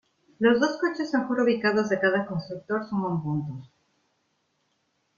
Los dos coches mejor ubicados de cada constructor suman puntos.